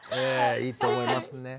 いいと思いますね。